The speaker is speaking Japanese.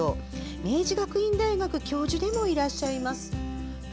明治学院大学教授でもいらっしゃいます。